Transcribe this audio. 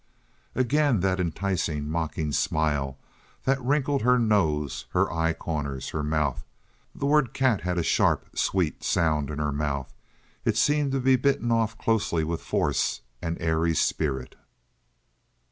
Again that enticing, mocking smile that wrinkled her nose, her eye corners, her mouth. The word "cat" had a sharp, sweet sound in her mouth. It seemed to be bitten off closely with force and airy spirit.